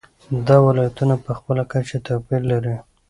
دا ولایتونه په خپله کچه توپیرونه لري.